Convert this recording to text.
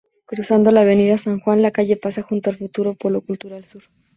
Cruzando la Avenida San Juan, la calle pasa junto al futuro Polo Cultural Sur.